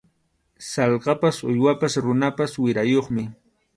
Sallqapas uywapas runapas wirayuqmi.